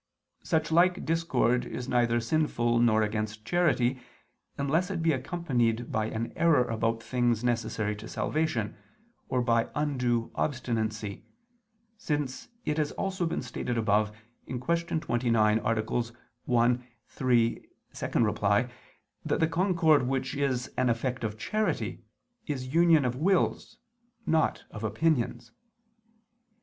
Such like discord is neither sinful nor against charity, unless it be accompanied by an error about things necessary to salvation, or by undue obstinacy, since it has also been stated above (Q. 29, AA. 1, 3, ad 2) that the concord which is an effect of charity, is union of wills not of opinions.